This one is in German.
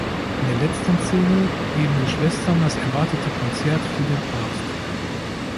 In der letzten Szene geben die Schwestern das erwartete Konzert für den Papst.